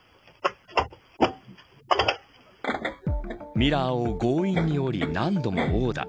ミラーを強引に折り何度も殴打。